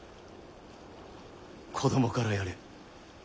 子供からやれ。